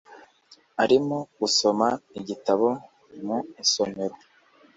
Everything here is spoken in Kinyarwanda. Arimo gusoma igitabo mu isomero.